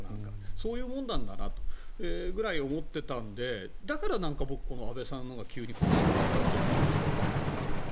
そういうもんなんだなとぐらいに思っていたのでだから、僕は安倍さんが急に国葬になったのがちょっと違和感があるのかな。